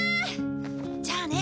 じゃあね。